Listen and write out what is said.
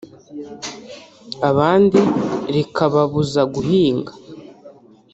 abandi rikababuza guhinga